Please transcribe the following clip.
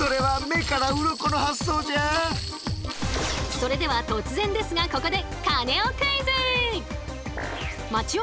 それでは突然ですがここでさあカネオクイズでございます。